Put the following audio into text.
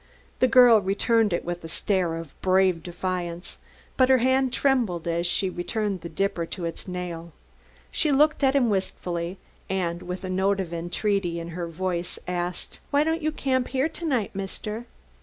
The girl returned it with a stare of brave defiance, but her hand trembled as she returned the dipper to its nail. She looked at him wistfully, and with a note of entreaty in her voice asked: "Why don't you camp here to night, Mister?"